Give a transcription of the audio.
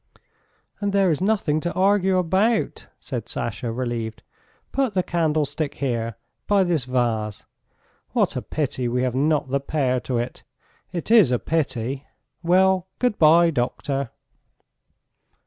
"And there is nothing to argue about," said Sasha, relieved. "Put the candlestick here, by this vase. What a pity we have not the pair to it! It is a pity! Well, good bye, doctor."